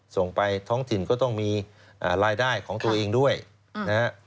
ส่งไปท้องถิ่นก็ต้องมีรายได้ของตัวเองด้วยนะฮะ